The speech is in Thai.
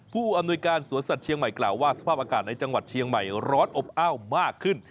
ผู้อำนวยการสวนสัตว์เชียงใหม่กล่าวว่าสภาพอากาศในจังหวัดเชียงใหม่ร้อนอบอ้าวมากขึ้น